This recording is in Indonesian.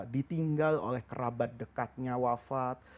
ditinggal oleh kerabat dekatnya wafat